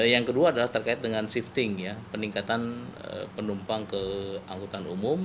yang kedua adalah terkait dengan shifting ya peningkatan penumpang ke angkutan umum